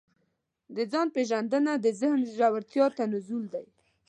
د ځان پېژندنه د ذهن ژورتیا ته نزول دی.